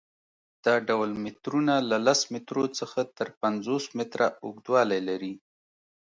دا ډول مترونه له لس مترو څخه تر پنځوس متره اوږدوالی لري.